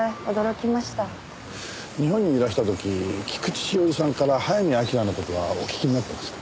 日本にいらした時菊地詩織さんから早見明の事はお聞きになってますか？